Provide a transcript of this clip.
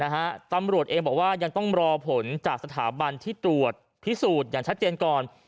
ตำรวจเองบอกว่ายังต้องรอผลจากสถาบันที่ตรวจพิสูจน์อย่างชัดเจนก่อน